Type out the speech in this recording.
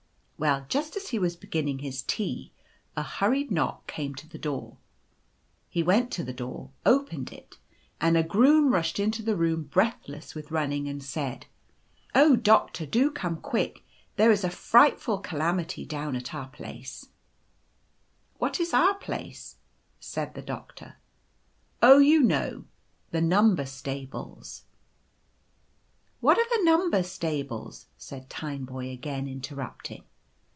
Well, just as he was beginning his tea a hurried knock came to the door. He went to the door, opened it, and a groom rushed into the room, breathless with running, and said — c<< Oh, Doctor, do come quick; there is a frightful calamity down at our place/ " 4 What is our place ?' said the doctor. " c Oh, you know. The Number Stables/ "" IVhat are the Number Stables ?" said Tineboy, again interrupting.